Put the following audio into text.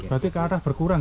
berarti keadaan berkurang